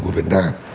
của việt nam